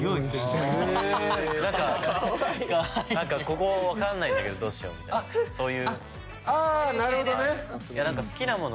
「ここ分かんないんだけどどうしよう」みたいなそういう。